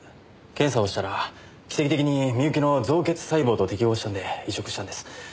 検査をしたら奇跡的に深雪の造血細胞と適合したんで移植したんです。